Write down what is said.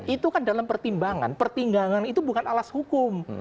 itu kan dalam pertimbangan pertimbangan itu bukan alas hukum